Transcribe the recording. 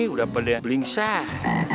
udah pada belingsah